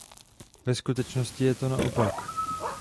Ve skutečnosti je to naopak.